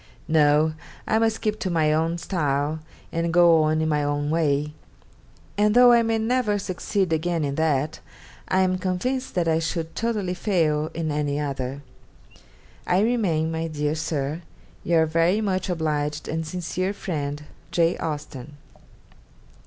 No, I must keep to my own style and go on in my own way; and though I may never succeed again in that, I am convinced that I should totally fail in any other. 'I remain, my dear Sir, 'Your very much obliged, and sincere friend, 'J. AUSTEN.